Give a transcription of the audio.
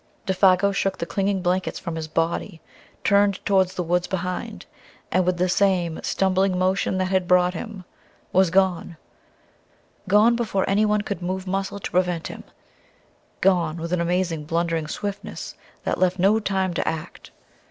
Défago shook the clinging blankets from his body, turned towards the woods behind, and with the same stumbling motion that had brought him was gone: gone, before anyone could move muscle to prevent him, gone with an amazing, blundering swiftness that left no time to act.